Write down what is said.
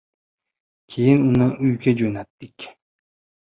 Keyin uni uyga jo‘nadik!